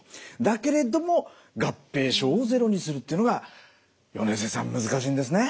だけれども合併症をゼロにするっていうのが米瀬さん難しいんですね。